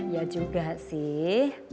ya juga sih